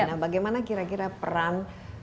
nah bagaimana kira kira peran